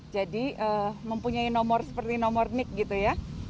jadi mempunyai nomor seperti nomor nik gitu ya